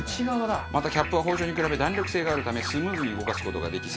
またキャップは包丁に比べ弾力性があるためスムーズに動かす事ができ